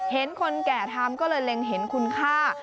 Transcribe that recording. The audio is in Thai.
เห็นคนแก่ทำก็เลยเล็งเห็นคุณค่า